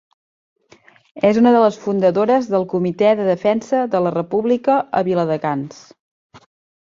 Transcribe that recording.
És una de les fundadores del Comitè de Defensa de la República a Viladecans.